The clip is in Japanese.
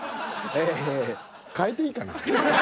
ええ変えていいかな？